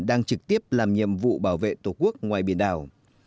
đang trực tiếp làm nhiệm vụ bảo vệ tổ quốc ngoài biển đảo